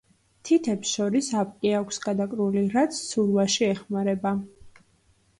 თითებს შორის აპკი აქვს გადაკრული, რაც ცურვაში ეხმარება.